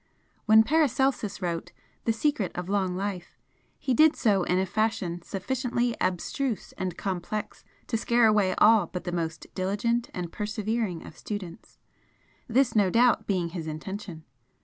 When Paracelsus wrote 'The Secret of Long Life' he did so in a fashion sufficiently abstruse and complex to scare away all but the most diligent and persevering of students, this no doubt being his intention.